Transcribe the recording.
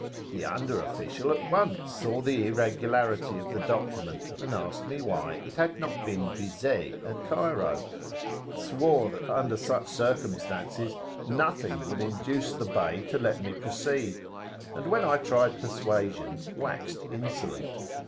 The under official at once saw the irregularity of the document, asked me why it had not been vise at Cairo, swore that under such circumstances nothing would induce the Bey to let me proceed; and, when I tried persuasion, waxed insolent.